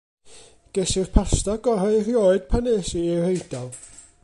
Ges i'r pasta gora 'rioed pan es i i'r Eidal.